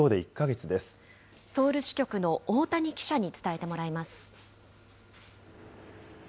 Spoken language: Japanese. ソウル支局の大谷記者に伝えてもらいます。